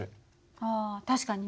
あ確かにね。